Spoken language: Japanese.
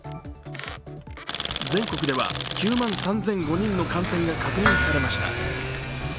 全国では９万３００５人の感染が確認されました。